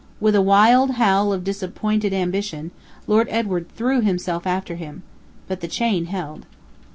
With a wild howl of disappointed ambition, Lord Edward threw himself after him. But the chain held.